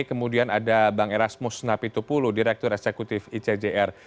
kemudian ada bang erasmus napitupulu direktur eksekutif icjr